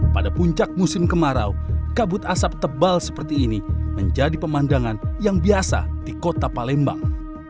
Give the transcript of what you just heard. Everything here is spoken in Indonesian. pada puncak musim kemarau kabut asap tebal seperti ini menjadi pemandangan yang biasa di kota palembang